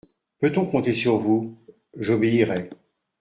Peut-on compter sur vous ? J'obéirai.